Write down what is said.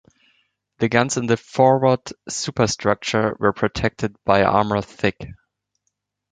The guns in the forward superstructure were protected by armour thick.